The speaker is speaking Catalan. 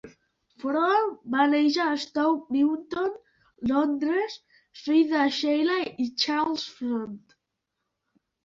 Front va néixer a Stoke Newington, Londres, fill de Sheila i Charles Front.